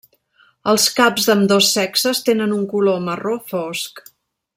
Els caps d'ambdós sexes tenen un color marró fosc.